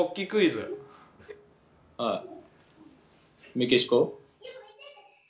「メキシコ」。